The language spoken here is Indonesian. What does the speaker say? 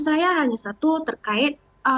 saya hanya satu terkait